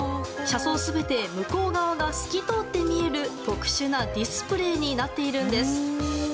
車窓全て向こう側が透き通って見える特殊なディスプレーになっているんです。